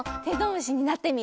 むしになってみる？